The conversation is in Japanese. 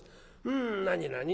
「うん何何？